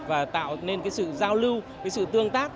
và tạo nên sự giao lưu sự tương tác